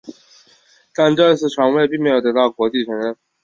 但这次传位并没有得到国际承认。